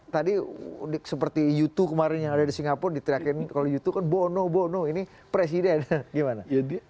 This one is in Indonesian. tadi seperti youtu kemarin yang ada di singapura diteriakin kalau youtube kan bono bono ini presiden gimana